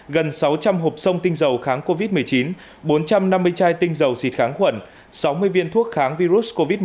gần sáu trăm linh hộp sông tinh dầu kháng covid một mươi chín bốn trăm năm mươi chai tinh dầu xịt kháng khuẩn sáu mươi viên thuốc kháng virus covid một mươi chín